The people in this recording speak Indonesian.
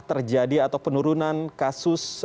terjadi atau penurunan kasus